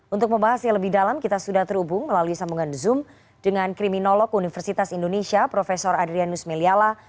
untuk membahas yang lebih dalam kita sudah terhubung melalui sambungan zoom dengan kriminolog universitas indonesia prof adrianus meliala